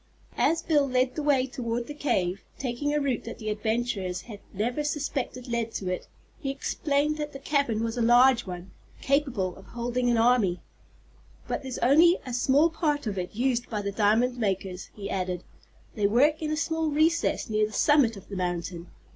As Bill led the way toward the cave, taking a route that the adventurers had never suspected led to it, he explained that the cavern was a large one, capable of holding an army. "But there's only a small part of it used by the diamond makers," he added. "They work in a small recess, near the summit of the mountain.